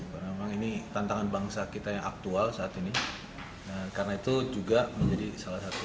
karena memang ini tantangan bangsa kita yang aktual saat ini karena itu juga menjadi salah satu penilaian